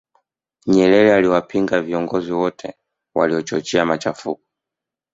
nyerere aliwapinga viongozi wote wanaochochea machafuko